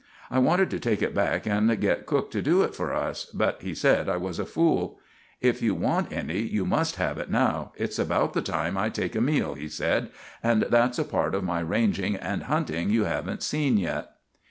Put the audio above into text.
I wanted to take it back and get cook to do it for us, but he said I was a fool. "If you want any you must have it now. It's about the time I take a meal," he said, "and that's a part of my ranging and hunting you haven't seen yet."